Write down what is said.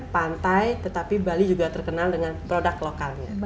pantai tetapi bali juga terkenal dengan produk lokalnya